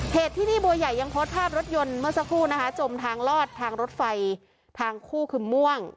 เหตุที่นี่บัวใหญ่ยังโพสต์ภาพรถยนต์เมื่อสักครู่นะคะจมทางลอดทางรถไฟทางคู่คือม่วง